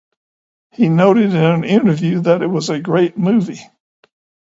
He noted in an interview that it was a great movie.